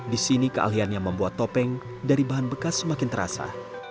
di sini keahliannya membuat topeng dari bahan bekas semakin terasa